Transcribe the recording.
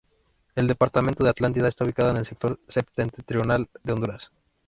El Departamento de Atlántida, está ubicado en el sector septentrional de Honduras.